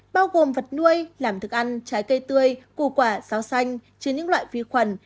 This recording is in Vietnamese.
bao gồm vật nuôi làm thức ăn trái cây tươi củ quả rau xanh chứa những loại vi khuẩn